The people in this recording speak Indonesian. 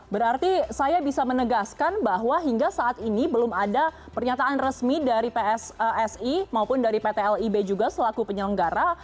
berarti saya bisa menegaskan bahwa hingga saat ini belum ada pernyataan resmi dari pssi maupun dari pt lib juga selaku penyelenggara